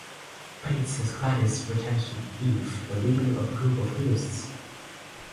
Bates has Gladys pretend to be "Eve", the leader of a group of nudists.